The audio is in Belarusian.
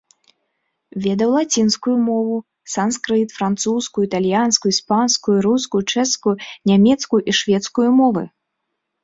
Ведаў лацінскую мову, санскрыт, французскую, італьянскую, іспанскую, рускую, чэшскую, нямецкую і шведскую мовы.